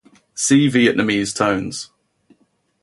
See Vietnamese tones.